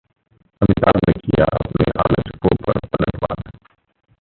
अमिताभ ने किया अपने आलोचकों पर पलटवार